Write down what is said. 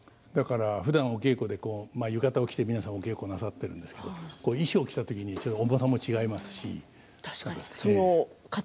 ふだんお稽古で浴衣を着て皆さんお稽古をなさっているんですけれども衣装を着た時に重さも違いますし。